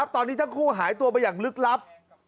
ตอนนี้ทั้งคู่หายตัวไปอย่างลึกลับ